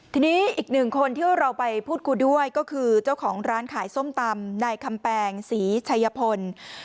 ทีนี้อีกหนึ่งคนที่เราไปพูดคุยด้วยก็คือเจ้าของร้านขายส้มตำนายคำแปงศรีชัยพล